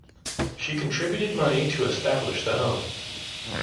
She contributed money to establish the home.